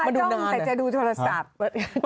ใครจะดูโทรศัพท์